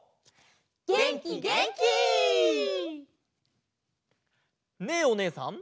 げんきげんき！ねえおねえさん